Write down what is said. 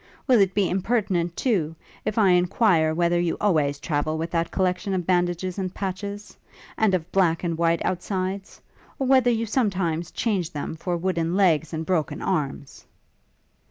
Will it be impertinent, too, if I enquire whether you always travel with that collection of bandages and patches? and of black and white outsides? or whether you sometimes change them for wooden legs and broken arms?'